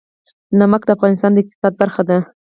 نمک د افغانستان د اقتصاد برخه ده.